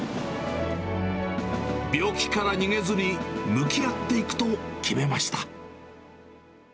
病気から逃げずに、向き合っていくと決めました。